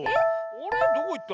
あれどこいった？